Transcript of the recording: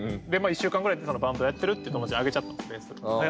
１週間ぐらいでバンドやってるって友達にあげちゃったんですベース。